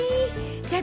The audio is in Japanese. じゃあ私